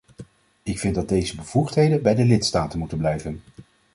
Ik vind dat deze bevoegdheden bij de lidstaten moeten blijven.